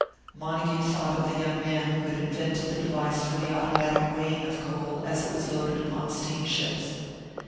Montague thought of the young man who had invented the device for the automatic weighing of coal as it was loaded upon steam ships.